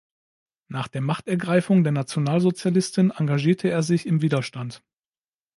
Nach der Machtergreifung der Nationalsozialisten engagierte er sich im Widerstand.